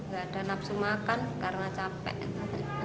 gak ada nafsu makan karena capek